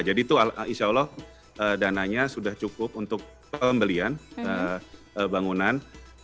jadi itu insya allah dananya sudah cukup untuk pembelian bangunan